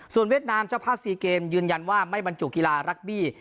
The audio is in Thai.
เวียดนามเจ้าภาพซีเกมยืนยันว่าไม่บรรจุกีฬารักบี้